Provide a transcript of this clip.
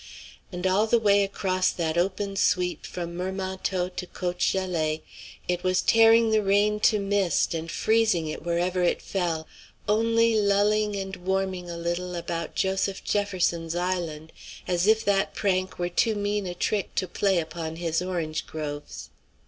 And all the way across that open sweep from Mermentau to Côte Gelée it was tearing the rain to mist and freezing it wherever it fell, only lulling and warming a little about Joseph Jefferson's Island, as if that prank were too mean a trick to play upon his orange groves.